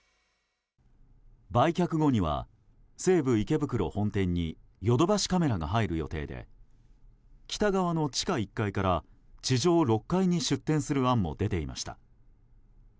売却後には西武池袋本店にヨドバシカメラが入る予定で北側の地下１階から地上６階に出店する案も出ていました。